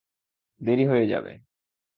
দেরি হয়ে যাবে।